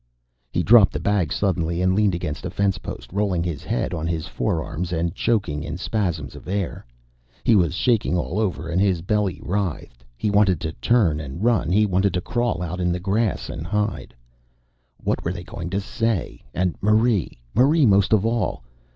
He dropped the bag suddenly and leaned against a fence post, rolling his head on his forearms and choking in spasms of air. He was shaking all over, and his belly writhed. He wanted to turn and run. He wanted to crawl out in the grass and hide. What were they going to say? And Marie, Marie most of all.